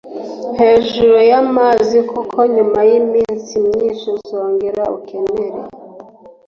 hejuru y amazi kuko nyuma y iminsi myinshi uzongera ukenere